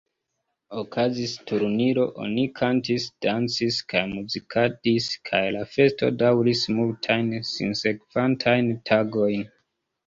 Okazis turniro, oni kantis, dancis kaj muzikadis kaj la festo dauris multajn sinsekvantajn tagojn.